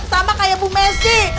sama kayak bu messi